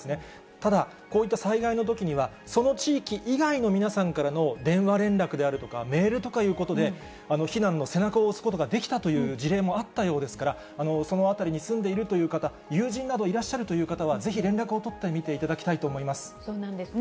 ただ、こういった災害のときにはその地域以外の皆さんからの電話連絡であるとか、メールとかいうことで、避難の背中を押すことができたという事例もあったようですから、その辺りに住んでいるという方、友人などいらっしゃるという方はぜひ、連絡を取ってみていただきそうなんですね。